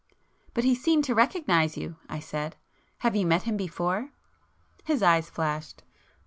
"But he seemed to recognise you,"—I said—"Have you met him before?" His eyes flashed.